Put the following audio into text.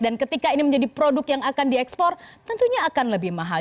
dan ketika ini menjadi produk yang akan diekspor tentunya akan lebih mahal